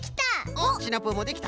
おっシナプーもできた。